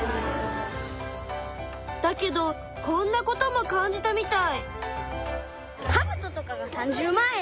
だけどこんなことも感じたみたい。